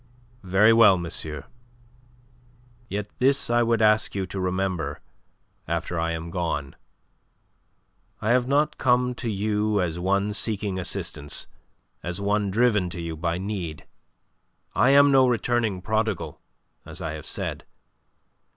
"Very well, monsieur. Yet this I would ask you to remember after I am gone. I have not come to you as one seeking assistance, as one driven to you by need. I am no returning prodigal, as I have said.